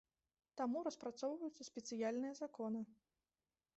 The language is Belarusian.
Таму распрацоўваюцца спецыяльныя законы.